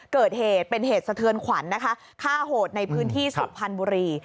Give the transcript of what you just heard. เกิดเหตุเป็นเหตุสะเทือนขวัญนะคะฆ่าโหดในพื้นที่สุพรรณบุรี